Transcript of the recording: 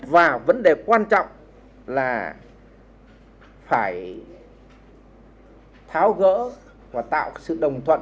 và vấn đề quan trọng là phải tháo gỡ và tạo sự đồng thuận